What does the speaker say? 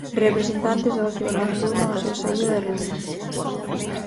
Representantes do ocio nocturno á súa saída da reunión.